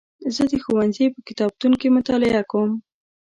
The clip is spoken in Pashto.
زه د ښوونځي په کتابتون کې مطالعه کوم.